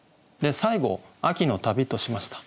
最後「秋の旅」としました。